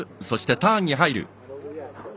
そして、ターンに入る。